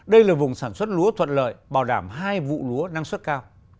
đây là vùng sản xuất lúa thuận lợi bảo đảm hai vụ lúa năng suất cao